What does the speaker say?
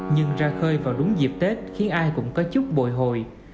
nhưng ra khơi vào đúng dịp tết khiến ai cũng có chút bồi hồi